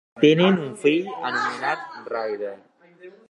Tenen un fill anomenat Ryder.